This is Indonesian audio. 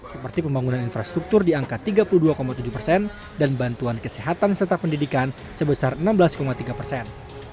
seperti pembangunan infrastruktur di angka tiga puluh dua tujuh persen dan bantuan kesehatan serta pendidikan sebesar enam belas tiga persen